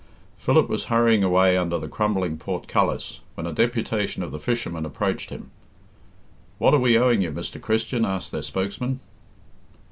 Philip was hurrying away under the crumbling portcullis, when a deputation of the fishermen approached him. "What are we owing you, Mr. Christian?" asked their spokesman.